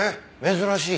珍しい。